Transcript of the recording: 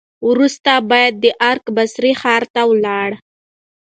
وروسته بیا د عراق بصرې ښار ته ولاړ.